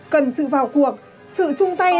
cần sự vào cuộc sự chung tay